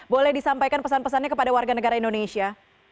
boleh disampaikan pesan pesannya kepada warga negara indonesia